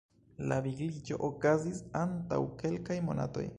La vigliĝo okazis antaŭ kelkaj monatoj.